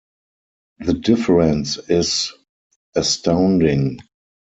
The difference is astounding.